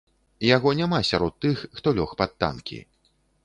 Яго няма сярод тых, хто лёг пад танкі.